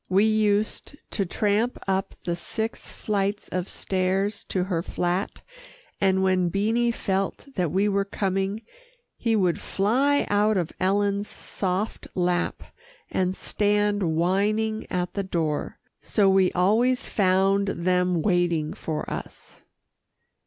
We used to tramp up the six flights of stairs to her flat, and when Beanie felt that we were coming, he would fly out of Ellen's soft lap, and stand whining at the door, so we always found them waiting for us.